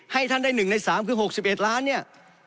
ให้ท่านได้๑ใน๓คือ๖๑ล้านเนี่ย